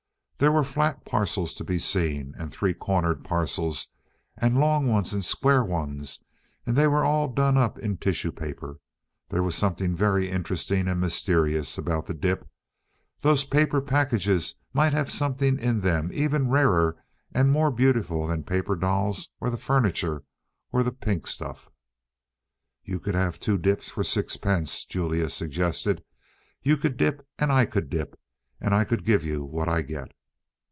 There were flat parcels to be seen and three cornered parcels, and long ones and square ones, and they were all done up in tissue paper. There was something very interesting and mysterious about the dip. Those paper packages might have something in them even rarer and more beautiful than the paper dolls, or the furniture, or the pink stuff. "You could have two dips for sixpence," Julia suggested. "You could dip and I could dip, and I could give you what I get."